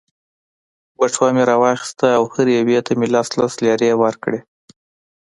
بټوه مې را وایستل او هرې یوې ته مې لس لس لیرې ورکړې.